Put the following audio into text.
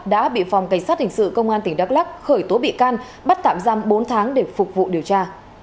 đã bị phòng cảnh sát hình sự công an tỉnh đắk lắc khởi tố bị can bắt tạm giam bốn tháng để phục vụ điều tra